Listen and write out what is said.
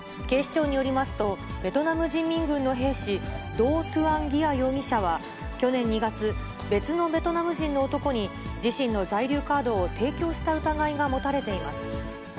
警視庁によりますと、ベトナム人民軍の兵士、ドー・トゥアン・ギア容疑者は、去年２月、別のベトナム人の男に、自身の在留カードを提供した疑いが持たれています。